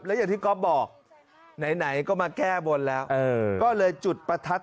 แล้วอย่างที่ก๊อฟบอกไหนก็มาแก้บนแล้วก็เลยจุดประทัด